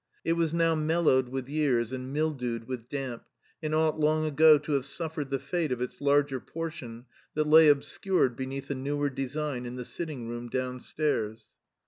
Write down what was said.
It was now mel lowed with years and mildewed with damp, and ought long ago to have suffered the fate of its larger portion that lay obscured beneath a newer design in the sitting room downstaiis.